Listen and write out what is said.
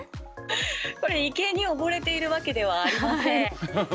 これ池に溺れているわけではありません。